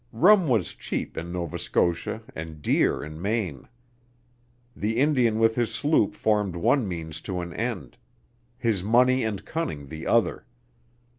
Rum was cheap in Nova Scotia and dear in Maine. The Indian with his sloop formed one means to an end; his money and cunning the other.